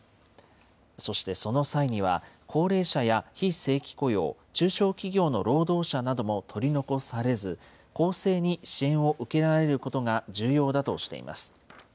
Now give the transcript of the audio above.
そしてその際には、高齢者や非正規雇用、中小企業の労働者なども取り残されず、公正に支援を受けられることが重要だとしています。